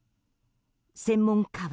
専門家は。